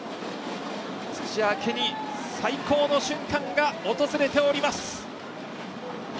土屋家に最高の瞬間が訪れております。